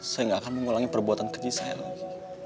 saya gak akan mengulangi perbuatan keji saya lagi